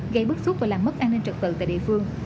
gây bức xúc và làm mất an ninh trật tự tại địa phương